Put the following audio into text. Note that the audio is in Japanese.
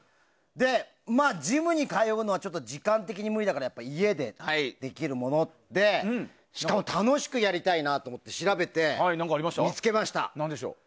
まあ、ジムに通うのは時間的に無理だから家でできるものでしかも楽しくやりたいなと思って調べて見つけました。